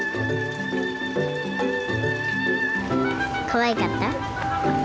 かわいかった。